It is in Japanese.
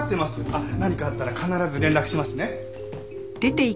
あっ何かあったら必ず連絡しますね。